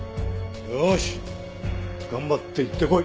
よし頑張って行ってこい。